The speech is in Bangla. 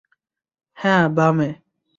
হ্যাঁ, বামে।